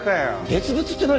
別々って何？